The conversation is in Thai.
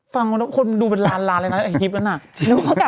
ฟังว่าคนมันดูเป็นล้านเลยนะอันอาทิตย์นี้นั่น